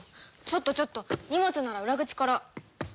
ちょっとちょっと荷物なら裏口から。